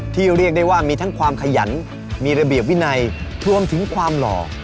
เรียกได้ว่ามีทั้งความขยันมีระเบียบวินัยรวมถึงความหล่อ